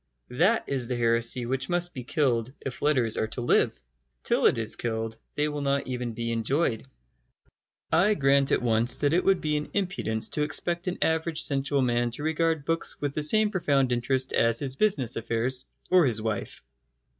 That is the heresy which must be killed if letters are to live. Till it is killed they will not even be enjoyed. I grant at once that it would be an impudence to expect an average sensual man to regard books with the same profound interest as his business affairs or his wife.